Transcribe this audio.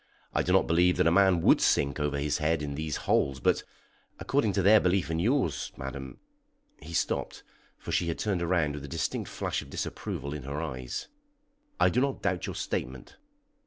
I do not believe that a man would sink over his head in these holes; but according to their belief and yours, madam " He stopped, for she had turned round with a distinct flash of disapproval in her eyes. "I do not doubt your statement."